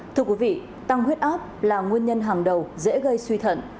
thưa quý vị tăng huyết áp là nguyên nhân hàng đầu dễ gây suy thận